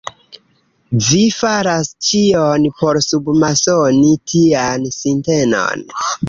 Vi faras ĉion por submasoni tian sintenon.